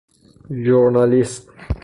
ژورنالیست